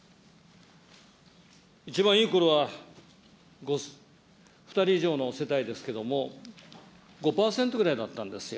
一番いいころは、２人以上の世帯ですけれども、５％ぐらいだったんですよ。